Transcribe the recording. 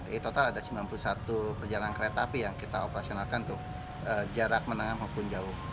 jadi total ada sembilan puluh satu perjalanan kereta api yang kita operasionalkan untuk jarak menengah maupun jauh